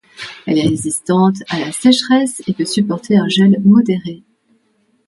Elle est résistante à la sècheresse et peut supporter un gel modéré.